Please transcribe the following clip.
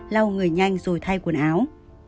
lau người nhanh rồi thay quần áo